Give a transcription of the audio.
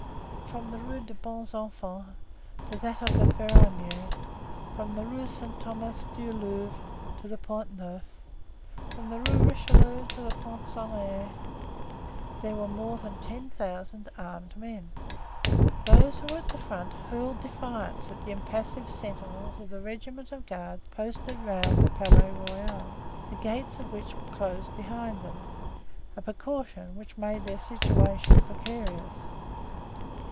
From the Rue de Bons Enfants to that of the Ferronnerie, from the Rue Saint Thomas du Louvre to the Pont Neuf, from the Rue Richelieu to the Porte Saint Honore, there were more than ten thousand armed men; those who were at the front hurled defiance at the impassive sentinels of the regiment of guards posted around the Palais Royal, the gates of which were closed behind them, a precaution which made their situation precarious.